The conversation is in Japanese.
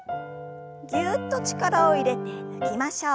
ぎゅっと力を入れて抜きましょう。